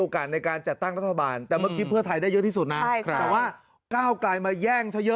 ภาครังภาครังกลางหน่อย